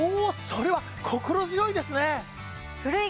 それは心強いですね！